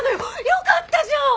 よかったじゃん！